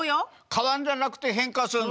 変わるんじゃなくて変化するの？